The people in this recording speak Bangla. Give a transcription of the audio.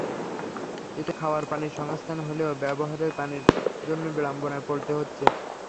এতে খাওয়ার পানির সংস্থান হলেও ব্যবহারের পানির জন্য বিড়ম্বনায় পড়তে হচ্ছে।